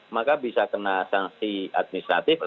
maka bisa kena sanksi administratif